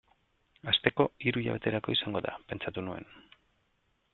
Hasteko, hiru hilabeterako izango da, pentsatu nuen.